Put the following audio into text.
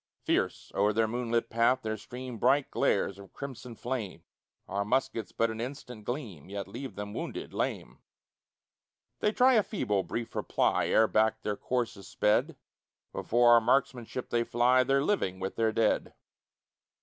Fierce o'er their moonlit path there stream Bright glares of crimson flame; Our muskets but an instant gleam, Yet leave them wounded, lame. They try a feeble, brief reply Ere back their course is sped. Before our marksmanship they fly, Their living with their dead.